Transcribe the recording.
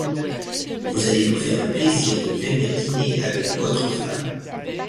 Vous allez nous faire le plaisir de venir dîner avec votre femme.